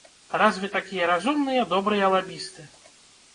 Раз вы такія разумныя добрыя лабісты!